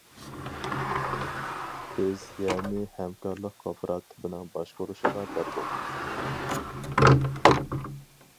بىز يەرنى ھەمكارلىق كوپىراتىپىنىڭ باشقۇرۇشىغا بەردۇق.